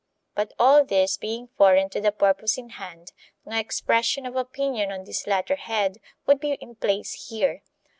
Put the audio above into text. But all this being foreign to the purpose in hand, no expression of opinion on this latter head would be in place here.